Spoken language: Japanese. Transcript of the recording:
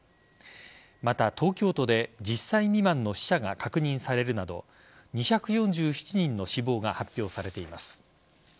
また、東京都で１０歳未満の死者が確認されるなど２４７人の死亡が発表されています。